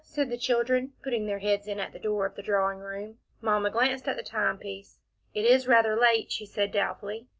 said the children, putting their heads in at the door of the drawing room. Mamma glanced at the time piece. "It is rather late," she said doubtfully.